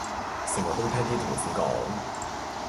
成日都聽啲同事講